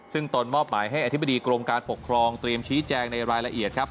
ซึ่งตนมอบหมายให้อธิบดีกรมการปกครองเตรียมชี้แจงในรายละเอียดครับ